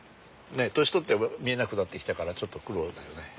年取って見えなくなってきたからちょっと苦労だよね。